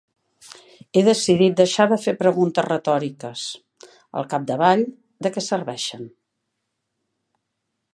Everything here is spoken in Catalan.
He decidit deixar de fer preguntes retòriques. Al capdavall, de què serveixen?